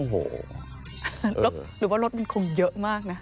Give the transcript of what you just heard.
หรือว่ารถมันคงเยอะมากนะ